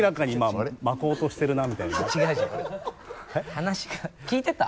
話が聞いてた？